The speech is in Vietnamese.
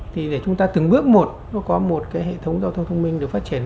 thì để chúng ta từng bước một nó có một cái hệ thống giao thông thông minh được phát triển